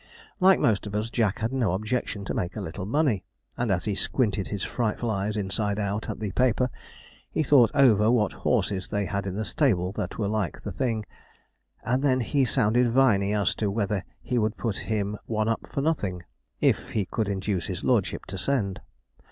Like most of us, Jack had no objection to make a little money; and as he squinted his frightful eyes inside out at the paper, he thought over what horses they had in the stable that were like the thing; and then he sounded Viney as to whether he would put him one up for nothing, if he could induce his lordship to send.